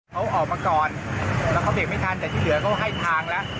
เขาออกมาก่อนแล้วเขาเบรกไม่ทันแต่ที่เหลือเขาให้ทางแล้ว